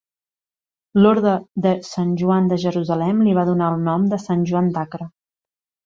L'orde de Sant Joan de Jerusalem li va donar el nom de Sant Joan d'Acre.